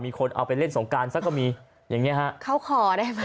มีคนเอาไปเล่นสงการซะก็มีอย่างเงี้ฮะเข้าคอได้ไหม